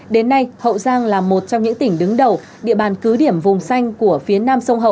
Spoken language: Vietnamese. đến nay hậu giang là một trong những tỉnh đứng đầu địa bàn cứ điểm vùng xanh của phía nam sông hậu